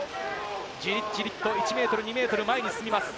じりじりと１ｍ、２ｍ前に進みます。